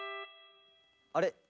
あれ？